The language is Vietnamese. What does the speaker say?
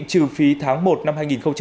trừ phí tháng một năm hai nghìn hai mươi